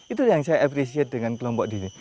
itu yang saya apresiasi dengan kelompok di sini